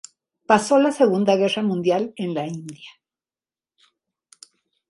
Pasó la Segunda Guerra Mundial en la India.